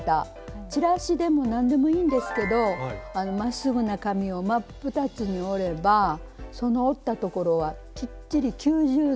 チラシでも何でもいいんですけどまっすぐな紙を真っ二つに折ればその折ったところはきっちり９０度になります。